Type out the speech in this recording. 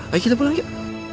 mari kita pulang yuk